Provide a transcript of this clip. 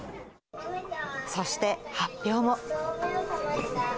そして、発表も。